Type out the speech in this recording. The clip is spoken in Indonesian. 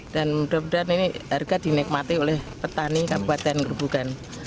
dan mudah mudahan ini harga dinikmati oleh petani kabupaten gerobogan